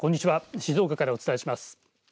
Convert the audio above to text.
静岡からお伝えします。